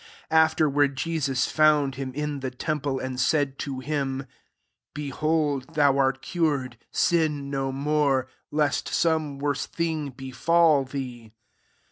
14 Afterward Jesus found him in the temple, and said to him, " Behold, thou art cured : sin no more, lest some worse thing befal thee."